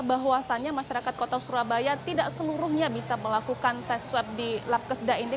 bahwasannya masyarakat kota surabaya tidak seluruhnya bisa melakukan tes swab di lab kesedah ini